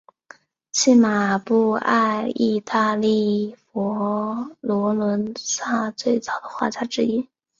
契马布埃意大利佛罗伦萨最早的画家之一。